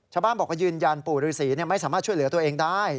ชาวบ้านบอกว่ายืนยันปู่ฤษีไม่สามารถช่วยเหลือตัวเองได้